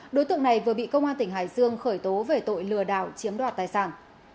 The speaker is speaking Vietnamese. đối tượng này vừa bị công an tỉnh hải dương khởi tố về tội lừa đảo chiếm đoạt tài sản